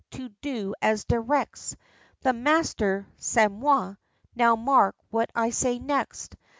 To do as directs The master (c'est moi!). Now mark what I say next!